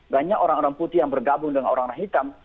banyak orang orang putih yang bergabung dengan orang orang hitam